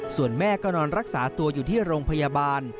ส่วนแม่ก็นอนรักษาตัวอยู่ที่โรงพยาบาล